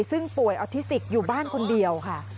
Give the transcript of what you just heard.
ซึ่งป่วยออทิสติกอยู่บ้านคนเดียวค่ะ